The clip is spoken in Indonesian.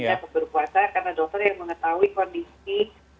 dapat berpuasa karena dokter yang mengetahui kondisi